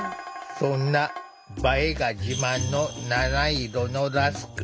そんな映えが自慢の七色のラスク。